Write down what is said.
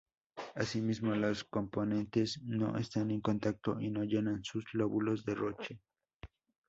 Asimismo, las componentes no están en contacto y no llenan sus lóbulos de Roche.